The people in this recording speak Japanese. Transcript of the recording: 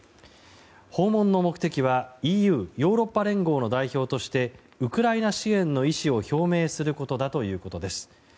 訪問の目的はＥＵ・ヨーロッパ連合の代表としてウクライナ支援の意思を表明することだということです。